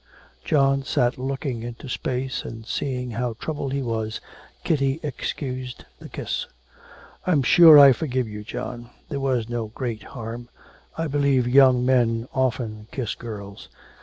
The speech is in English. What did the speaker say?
John sat looking into space, and, seeing how troubled he was, Kitty excused the kiss. 'I'm sure I forgive you, John. There was no great harm. I believe young men often kiss girls.